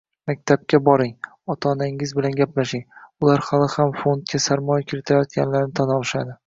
Maktabga boring, ota -onangiz bilan gaplashing, ular hali ham fondga "sarmoya" kiritayotganlarini tan olishadi